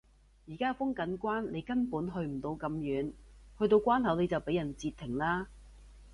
而家封緊關你根本去唔到咁遠，去到關口你就畀人截停啦